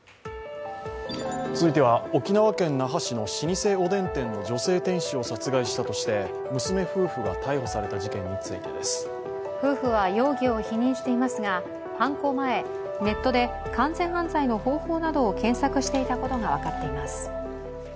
続いては沖縄県那覇市の老舗おでん店の女性店主を殺害したとして娘夫婦が逮捕された事件についてです。夫婦は容疑を否認していますが、犯行前、ネットで完全犯罪の方法などを検索していたことが分かっています。